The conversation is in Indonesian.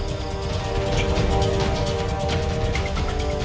aku tidak bisa mengajarkannya secara langsung